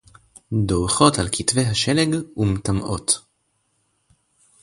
דּוֹרְכוֹת עַל כִּתְבֵי הַשֶּׁלֶג וּמְטַמְּאוֹת